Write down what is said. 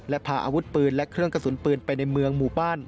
และพาอาวุธปืนและเครื่องกระสุนปืนไปในเมืองหมู่บ้าน